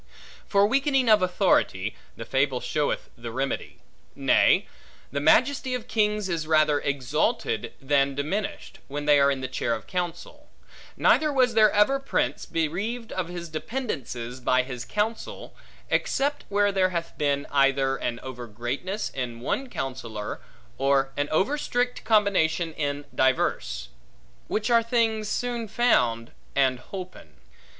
For weakening of authority; the fable showeth the remedy. Nay, the majesty of kings, is rather exalted than diminished, when they are in the chair of counsel; neither was there ever prince, bereaved of his dependences, by his counsel, except where there hath been, either an over greatness in one counsellor, or an over strict combination in divers; which are things soon found, and holpen.